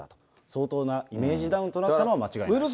相当なイメージダウンとなったのは、間違いないと。